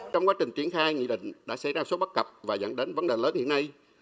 trong quá trình triển khai nghị định đã xảy ra số bắt cặp và dẫn đến vấn đề lớn hiện nay